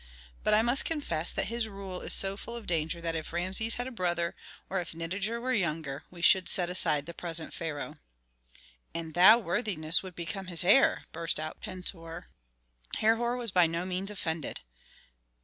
But I must confess that his rule is so full of danger that if Rameses had a brother, or if Nitager were younger, we should set aside the present pharaoh." "And thou, worthiness, would become his heir!" burst out Pentuer. Herhor was by no means offended.